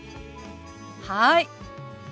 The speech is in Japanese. はい。